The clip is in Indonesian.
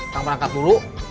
neng berangkat dulu